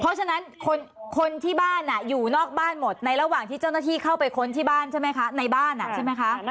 เพราะฉะนั้นคนที่บ้านอยู่นอกบ้านหมดในระหว่างที่เจ้าหน้าที่เข้าไปค้นที่บ้านใช่ไหมคะในบ้านใช่ไหมคะ